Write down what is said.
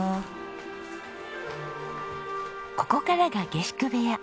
ここからが下宿部屋。